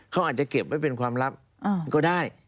เขาอาจจะเก็บไว้เป็นความลับก็ได้